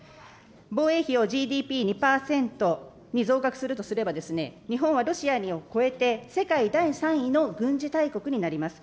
防衛費をＧＤＰ２％に増額するとすれば、日本はロシアを超えて、世界第３位の軍事大国になります。